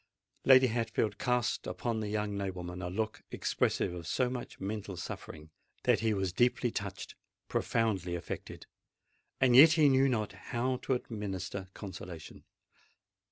Lady Hatfield cast upon the young nobleman a look expressive of so much mental suffering, that he was deeply touched—profoundly affected: and yet he knew not how to administer consolation.